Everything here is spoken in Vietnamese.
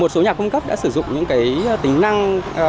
một số nhà cung cấp đã sử dụng những tính năng